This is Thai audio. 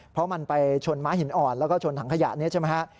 เพราะมันไปชนม้าหินอ่อนแล้วก็ชนถังขยะนี้ใช่ไหมฮะ